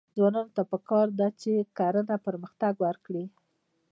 ځوانانو ته پکار ده چې، کرنه پرمختګ ورکړي.